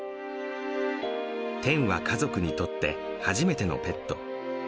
天は家族にとって初めてのペット。